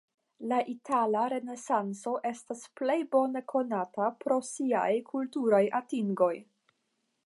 La Itala Renesanco estas plej bone konata pro siaj kulturaj atingoj.